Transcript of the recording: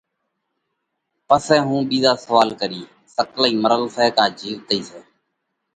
پسئہ هُون ٻِيزو سوئال ڪرِيه: سڪلئِي مرل سئہ ڪا جِيوَتئِي سئہ؟